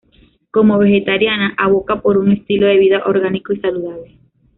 Como vegetariana, avoca por un estilo de vida orgánico y saludable.